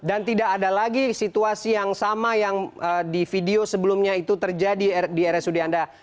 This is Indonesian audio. dan tidak ada lagi situasi yang sama yang di video sebelumnya itu terjadi di rsud anda